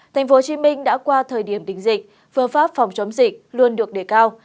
tp hcm đã qua thời điểm đỉnh dịch phương pháp phòng chống dịch luôn được đề cao